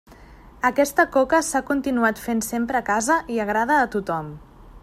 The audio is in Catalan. Aquesta coca s'ha continuat fent sempre a casa i agrada a tothom.